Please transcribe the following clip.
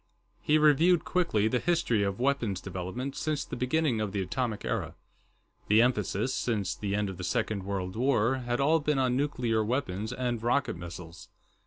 He reviewed, quickly, the history of weapons development since the beginning of the Atomic Era. The emphasis, since the end of the Second World War, had all been on nuclear weapons and rocket missiles.